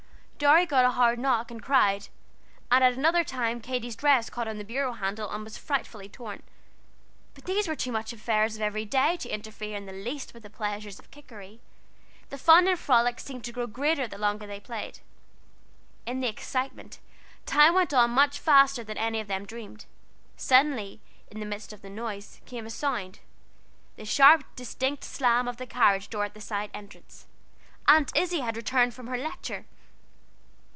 Dorry got a hard knock, and cried, and at another time Katy's dress caught on the bureau handle and was frightfully torn, but these were too much affairs of every day to interfere in the least with the pleasures of Kikeri. The fun and frolic seemed to grow greater the longer they played. In the excitement, time went on much faster than any of them dreamed. Suddenly, in the midst of the noise, came a sound the sharp distinct slam of the carryall door at the side entrance. Aunt Izzie had returned from her Lecture.